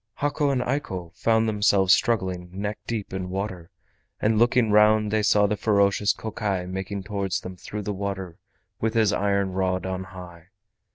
Hako and Eiko found themselves struggling neck deep in water, and looking round they saw the ferocious Kokai making towards them through the water with his iron rod on high.